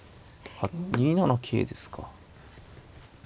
２七桂ですか。